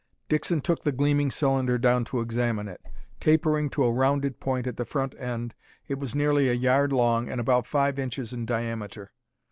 Dixon took the gleaming cylinder down to examine it. Tapering to a rounded point at the front end, it was nearly a yard long and about five inches in diameter.